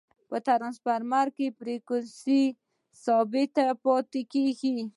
په ټرانسفرمر کی فریکوینسي ثابته پاتي کیږي.